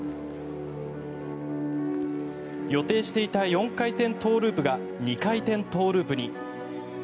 予定していた４回転トウループが２回転トウループに。